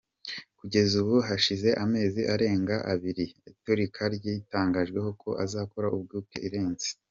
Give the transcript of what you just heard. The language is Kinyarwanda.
Kugeza ubu, hashize amezi arenga abiri itariki yari yatangajeho ko azakora ubukwe irenze.